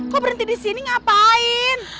kok berhenti disini ngapain